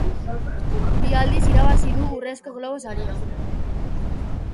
Bi aldiz irabazi du Urrezko Globo saria.